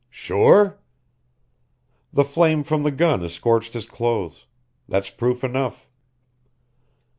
"Sure?" "The flame from the gun has scorched his clothes. That's proof enough."